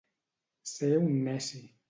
Ser un neci.